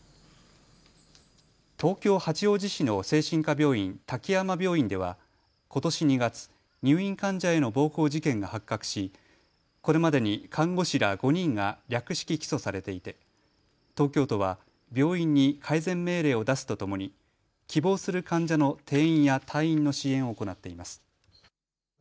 東京八王子市の精神科病院、滝山病院ではことし２月、入院患者への暴行事件が発覚しこれまでに看護師ら５人が略式起訴されていて東京都は病院に改善命令を出すとともに希望する患者の転院や退院の支援を行っています。